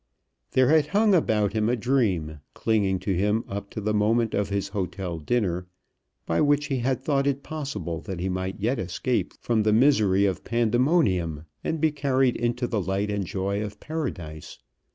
There had hung about him a dream, clinging to him up to the moment of his hotel dinner, by which he had thought it possible that he might yet escape from the misery of Pandemonium and be carried into the light and joy of Paradise.